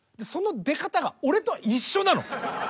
その出方が俺と一緒なの。